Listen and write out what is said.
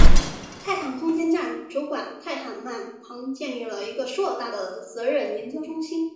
泰坦空间站主管泰德曼旁建立了一个硕大的责任研究中心。